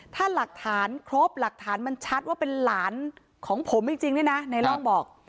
ถ้าหลักฐานครบหลักฐานมันชัดว่าเป็นหลานของผมจริงเนี่ยนะในร่องบอก